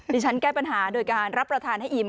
ที่ฉันแก้ปัญหาโดยการรับประทานให้อิ่ม